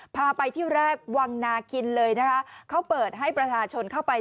พาไปที่แรกวังนาคินเลยนะคะเขาเปิดให้ประชาชนเข้าไป